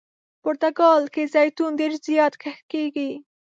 پرتګال کې زیتون ډېر زیات کښت کیږي.